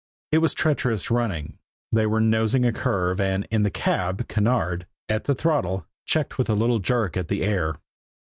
It was treacherous running, they were nosing a curve, and in the cab, Kinneard, at the throttle, checked with a little jerk at the "air."